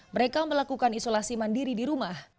mereka melakukan isolasi mandiri di rumah